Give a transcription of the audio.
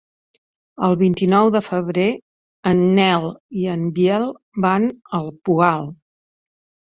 El vint-i-nou de febrer en Nel i en Biel van al Poal.